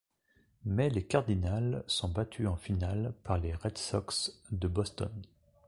Mais les Cardinals sont battus en finale par les Red Sox de Boston.